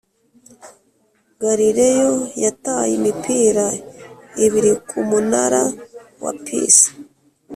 galileo yataye imipira ibiri ku munara wa pisa.